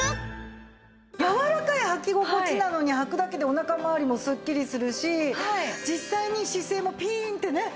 柔らかいはき心地なのにはくだけでお腹まわりもスッキリするし実際に姿勢もピーンってね